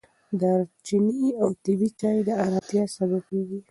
دارچیني او طبیعي چای د ارامتیا سبب کېږي.